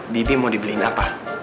bibi mau dibeliin apa